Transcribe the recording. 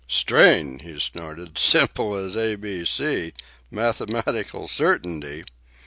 "Strain!" he snorted. "Simple as A, B, C! Mathematical certainty!"